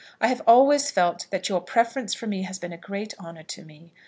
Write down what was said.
I have always felt that your preference for me has been a great honour to me.